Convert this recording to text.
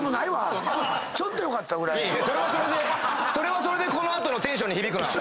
それはそれでこの後のテンションに響くな。